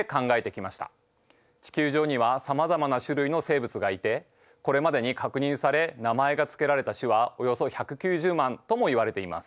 地球上にはさまざまな種類の生物がいてこれまでに確認され名前がつけられた種はおよそ１９０万ともいわれています。